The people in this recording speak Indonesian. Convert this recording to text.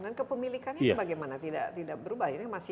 dan kepemilikannya itu bagaimana tidak berubah ini masih